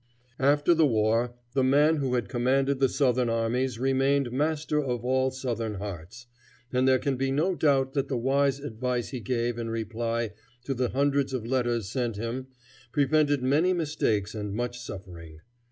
After the war the man who had commanded the Southern armies remained master of all Southern hearts, and there can be no doubt that the wise advice he gave in reply to the hundreds of letters sent him prevented many mistakes and much suffering.